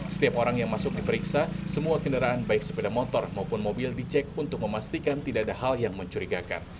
setiap orang yang masuk diperiksa semua kendaraan baik sepeda motor maupun mobil dicek untuk memastikan tidak ada hal yang mencurigakan